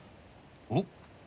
おっ。